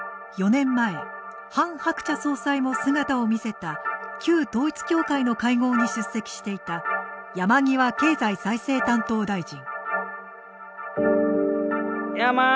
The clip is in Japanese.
４年前、ハン・ハクチャ総裁も姿を見せた旧統一教会の会合に出席していた山際経済再生担当大臣。